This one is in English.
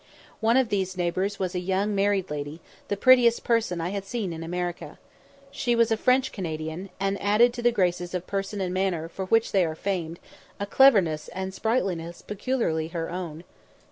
One of these "neighbours" was a young married lady, the prettiest person I had seen in America. She was a French Canadian, and added to the graces of person and manner for which they are famed a cleverness and sprightliness peculiarly her own.